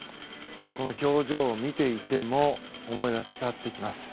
この表情を見ていても思いは伝わってきます。